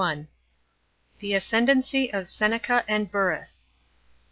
— THE ASCENDENCY OF SENECA AND BCTRRUS.